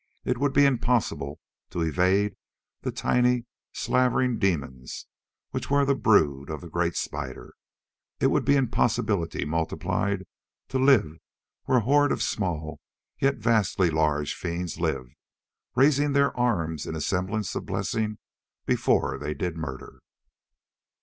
It would be impossible to evade the tiny, slavering demons which were the brood of the great spider. It would be impossibility multiplied to live where a horde of small yet vastly larger fiends lived, raising their arms in a semblance of blessing before they did murder.